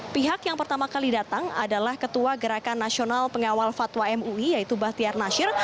pihak yang pertama kali datang adalah ketua gerakan nasional pengawal fatwa mui yaitu bahtiar nasir